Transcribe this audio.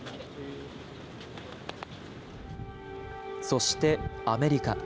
そしてアメリカ。